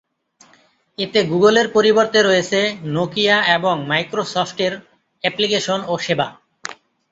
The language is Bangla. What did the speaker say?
এতে গুগলের পরিবর্তে রয়েছে নকিয়া এবং মাইক্রোসফটের অ্যাপ্লিকেশন ও সেবা।